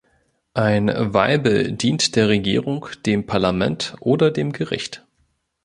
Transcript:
Ein Weibel dient der Regierung, dem Parlament oder dem Gericht.